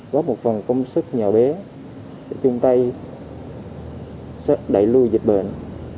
góp một phần công sức nhỏ bé để chung tay đẩy lùi dịch bệnh